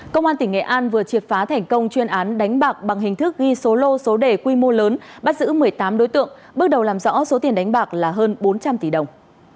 công an tỉnh nghệ an vừa triệt phá thành công chuyên án đánh bạc bằng hình thức ghi số lô số đề quy mô lớn bắt giữ một mươi tám đối tượng bước đầu làm rõ số tiền đánh bạc là hơn bốn trăm linh tỷ đồng